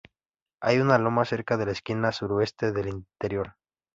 Hay una loma cerca de la esquina suroeste del interior.